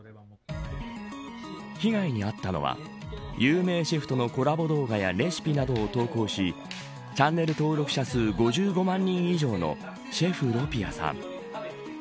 被害に遭ったのは有名シェフとのコラボ動画やレシピなどを投稿しチャンネル登録者数５５万人以上のシェフ・ロピアさん。